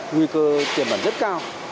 nguy cơ tiền bản rất cao